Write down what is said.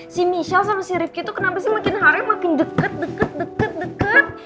si michelle sama si rifki tuh kenapa sih makin harem makin deket deket deket deket